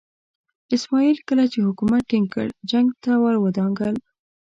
اسماعیل کله چې حکومت ټینګ کړ جنګ ته ور ودانګل.